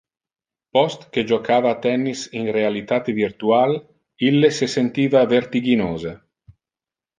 Post que jocava a tennis in realitate virtual, ille se sentiva vertiginose.